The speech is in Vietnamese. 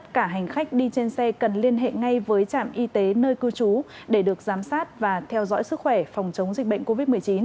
cả hành khách đi trên xe cần liên hệ ngay với trạm y tế nơi cư trú để được giám sát và theo dõi sức khỏe phòng chống dịch bệnh covid một mươi chín